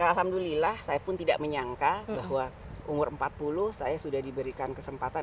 alhamdulillah saya pun tidak menyangka bahwa umur empat puluh saya sudah diberikan kesempatan